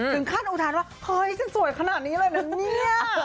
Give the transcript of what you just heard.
ถึงขั้นอุทานว่าเฮ้ยฉันสวยขนาดนี้เลยนะเนี่ย